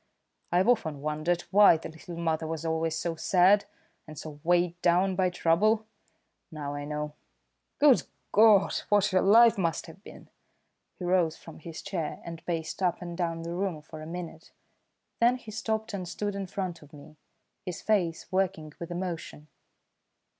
I've often wondered why the little mother was always so sad, and so weighed down by trouble. Now I know. Good God, what her life must have been!" He rose from his chair and paced up and down the room for a minute; then he stopped and stood in front of me, his face working with emotion.